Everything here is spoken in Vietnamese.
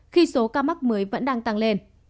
khi số ca mắc mới vẫn đang tăng lên